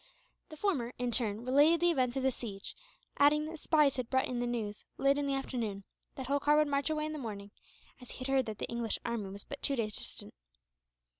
The former, in turn, related the events of the siege; adding that spies had brought in the news, late in the afternoon, that Holkar would march away in the morning, as he had heard that the English army was but two days distant.